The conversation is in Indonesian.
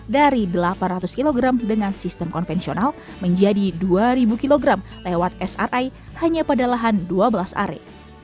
dari delapan ratus kg dengan sistem konvensional menjadi dua kg lewat sri hanya pada lahan dua belas are